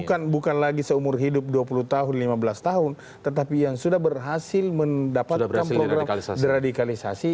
karena bukan lagi seumur hidup dua puluh tahun lima belas tahun tetapi yang sudah berhasil mendapatkan program deradikalisasi